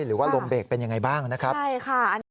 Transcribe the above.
หรือว่าลมเบรกเป็นยังไงบ้างนะครับใช่ค่ะ